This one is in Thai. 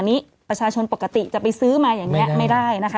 ประชาชนปกติจะไปซื้อมาอย่างนี้ไม่ได้นะคะ